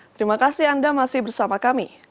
terima kasih anda masih bersama kami